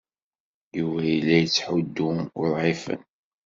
Yuba yella yettḥuddu uḍɛifen.